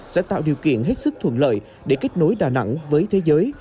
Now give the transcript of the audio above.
sẽ tạo điều kiện hết sức thuận lợi để kết nối đà nẵng với thế giới